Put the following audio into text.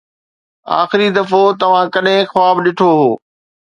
آخري دفعو توهان ڪڏهن خواب ڏٺو هو؟